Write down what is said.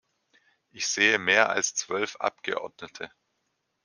Ich sehe mehr als zwölf Abgeordnete.